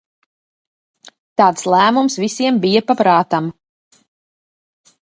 Tāds lēmums visiem bija pa prātam.